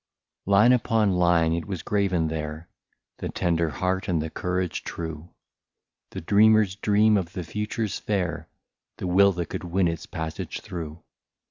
Line upon line, it was graven there, — The tender heart, and the courage true. The dreamer's dream of the futures fair. The will, that could win its passage through.